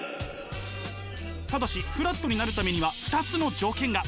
ただしフラットになるためには２つの条件が！